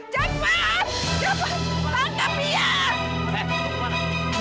jangan tangkap dia